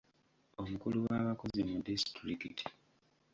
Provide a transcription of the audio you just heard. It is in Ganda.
Omukulu w'abakozi mu distulikiti.